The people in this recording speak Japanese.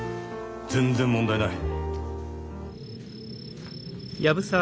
全然問題ない。